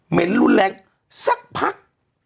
เห็นรุนแรงสักพัก